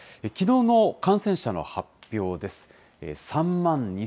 きのうの感染者の発表です。